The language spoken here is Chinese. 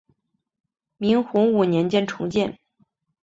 明洪武年间重建。